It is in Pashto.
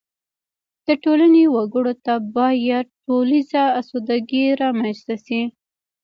د ټولنې وګړو ته باید ټولیزه اسودګي رامنځته شي.